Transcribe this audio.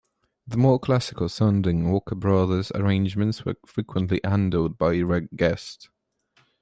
The more classical sounding Walker Brothers arrangements were frequently handled by Reg Guest.